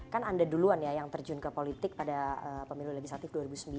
kan anda duluan ya yang terjun ke politik pada pemilu legislatif dua ribu sembilan